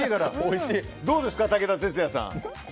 どうですか、武田鉄矢さん。